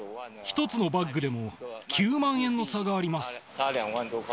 １つのバッグでも９万円の差があります。